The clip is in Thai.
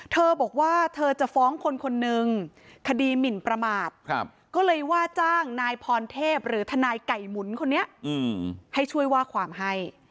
เธอบอกว่าเธอจะฟ้องคนคนนึงคดีหมินประมาทก็เลยว่าจ้างนายพรเทพหรือทนายไก่หมุนคนนี้ให้ช่วยว่าความให้